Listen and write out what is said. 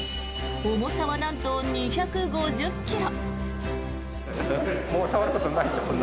重さはなんと２５０ｋｇ。